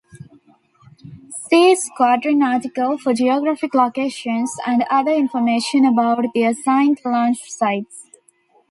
See squadron article for geographic locations and other information about the assigned launch sites.